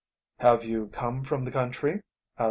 "Have you come from the country?" asked M.